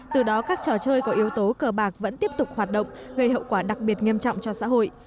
từ đó các trò chơi có yếu tố cờ bạc vẫn tiếp tục hoạt động gây hậu quả đặc biệt nghiêm trọng cho xã hội